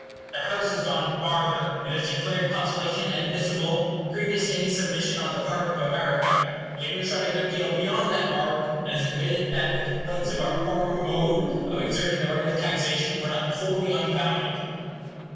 The House has gone farther; it has declared conciliation admissible, previous to any submission on the part of America. It has even shot a good deal beyond that mark, and has admitted that the complaints of our former mode of exerting the right of taxation were not wholly unfounded.